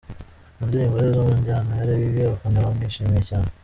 Mu ndirimbo ze zo mu njyana ya Reggae, abafana bamwishimiye cyane.